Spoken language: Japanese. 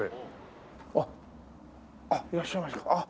あっいらっしゃいました。